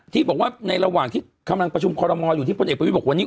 ที่บอกว่าในระหว่างที่กำลังประชุมคอรมอลอยู่ที่พลเอกประวิทย์บอกวันนี้